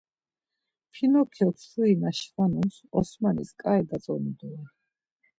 Pinokyok şuri na şvanums Osmanis ǩai datzonu doren.